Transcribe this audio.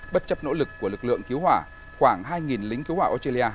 bất chấp nỗ lực của lực lượng cứu hỏa khoảng hai lính cứu hỏa australia